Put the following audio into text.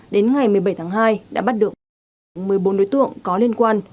đến ngày một mươi bảy tháng hai đã bắt được một mươi bốn đối tượng có liên quan